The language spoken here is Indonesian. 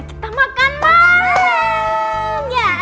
kita makan malam